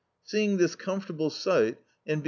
Seeing this comfortable sight, and being D,i.